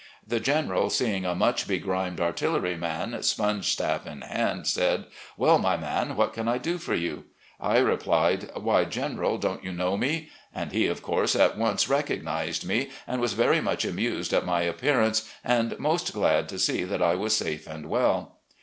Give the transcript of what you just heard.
The General, seeing a much begrimed artillery man, sponge staff in hand, said: "Well, my man, what can I do for you?" I replied: ARMY LIFE OF ROBERT THE YOUNGER 77 " Why, General, don't you know me ?" and he, of course, at once recognised me, and was very much amused at my appearance and most glad to see that I was safe and well.